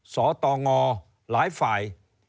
สตงหลายฝ่าย